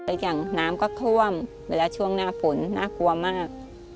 แต่อย่างน้ำก็ท่วมเวลาช่วงหน้าฝนน่ากลัวมาก